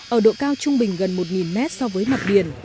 ở độ cao trung bình gần một mét so với mặt biển